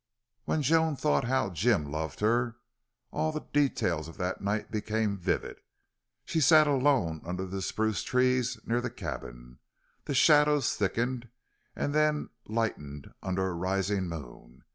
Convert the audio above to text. When Joan thought how Jim loved her, all the details of that night became vivid. She sat alone under the spruce trees near the cabin. The shadows thickened, and then lightened under a rising moon.